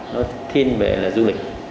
nó thiên về là du lịch